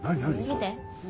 見て。